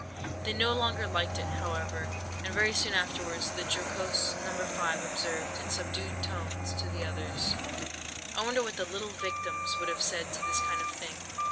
They no longer liked it, however; and very soon afterwards the jocose No. 5 observed, in subdued tones to the others:— "I wonder what the little victims would have said to this kind of thing?"